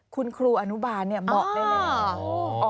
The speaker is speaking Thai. คุณครูอนุบาลเหมาะได้เลย